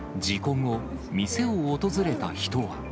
事故後、店を訪れた人は。